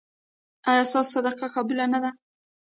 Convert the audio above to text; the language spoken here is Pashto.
ایا ستاسو صدقه قبوله نه ده؟